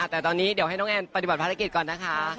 แต่ตอนนี้เดี๋ยวให้น้องแอนปฏิบัติภารกิจก่อนนะคะ